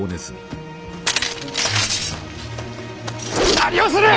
何をする！